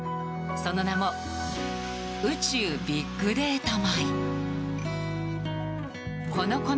その名も宇宙ビッグデータ米。